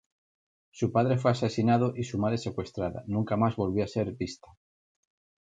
Su padre fue asesinado, y su madre secuestrada, nunca más volvió a ser vista.